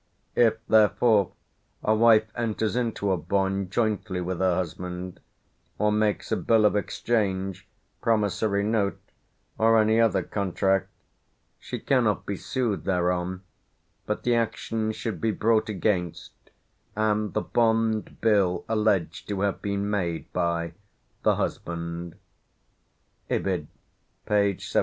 If therefore a wife enters into a bond jointly with her husband, or makes a bill of exchange, promissory note, or any other contract, she cannot be sued thereon, but the action should be brought against, and the bond, bill, alleged to have been made by, the husband" (Ibid, p. 75).